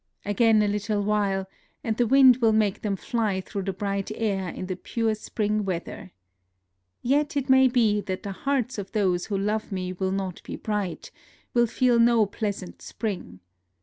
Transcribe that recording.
Again a little while, and the wind will make them fly through the bright air in the pure spring weather. Yet it may be that the hearts of those who love me will not be bright, will feel no pleasant spring.